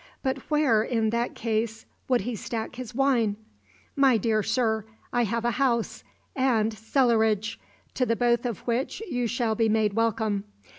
But where, in that case, would he stack his wine? My dear sir, I have a house, and cellarage, to the both of which you shall be made welcome.